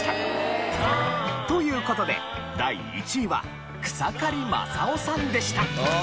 という事で第１位は草刈正雄さんでした。